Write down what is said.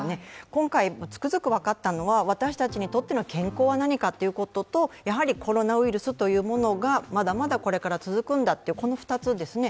今回、つくづく分かったのは、私たちにとっての傾向は何かということと、コロナウイルスというものがまだまだこれから続くんだという２つですね。